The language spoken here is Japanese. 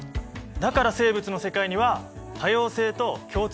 だから生物の世界には多様性と共通性がある。